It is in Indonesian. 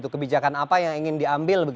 kebijakan apa yang ingin diambil